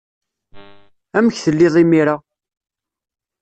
Amek telliḍ imir-a?